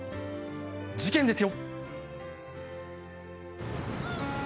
事件ですよ。